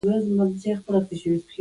بادرنګ د ماشومانو بدن ته اوبه ورکوي.